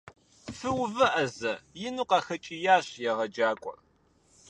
- Фыувыӏэ зэ! - ину къахэкӏиящ егъэджакӏуэр.